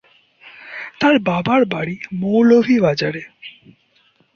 তার বাবার বাড়ি মৌলভীবাজারে।